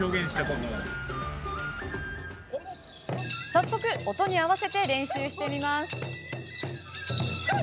早速、音に合わせて練習してみます。